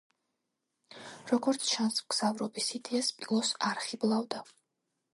როგორც ჩანს, მგზავრობის იდეა სპილოს არ ხიბლავდა.